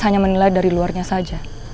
hanya menilai dari luarnya saja